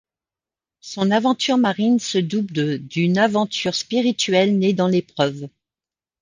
Son aventure marine se double d'une aventure spirituelle, née dans l'épreuve.